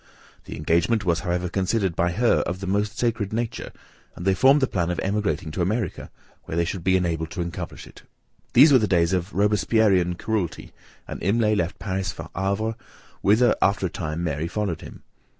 The engagement was however considered by her of the most sacred nature, and they formed the plan of emigrating to America, where they should be enabled to accomplish it. These were the days of Robespierrean cruelty, and Imlay left Paris for Havre, whither after a time Mary followed him.